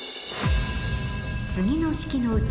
次の式のうち